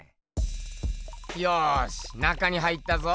ようし中に入ったぞ。